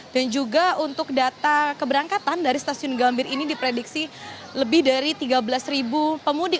dan juga untuk data keberangkatan dari stasiun gambir ini diprediksi lebih dari tiga belas pemudik